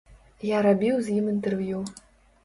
Я рабіў з ім інтэрв'ю.